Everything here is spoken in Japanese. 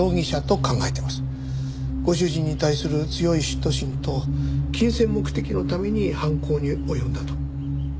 ご主人に対する強い嫉妬心と金銭目的のために犯行に及んだと。